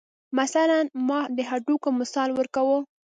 مثلاً ما د هډوکو مثال ورکو.